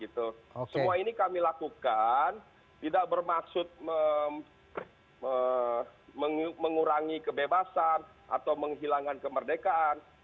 semua ini kami lakukan tidak bermaksud mengurangi kebebasan atau menghilangkan kemerdekaan